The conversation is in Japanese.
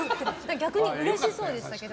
逆にうれしそうでしたけど。